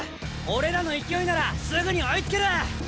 俺らの勢いならすぐに追いつける。